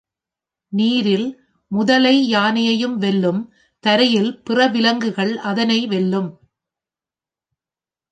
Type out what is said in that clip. நீரில் முதலை யானையையும் வெல்லும், தரையில் பிற விலங்குகள் அதனை வெல்லும்.